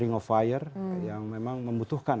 ring of fire yang memang membutuhkan